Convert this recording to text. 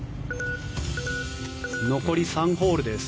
残り３ホールです。